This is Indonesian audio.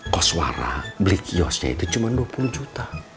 koswara beli kiosnya itu cuma dua puluh juta